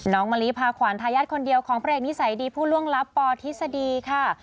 มะลิพาขวานทายาทคนเดียวของพระเอกนิสัยดีผู้ล่วงลับปทฤษฎีค่ะ